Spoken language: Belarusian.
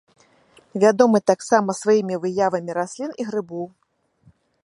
Вядомы таксама сваімі выявамі раслін і грыбоў.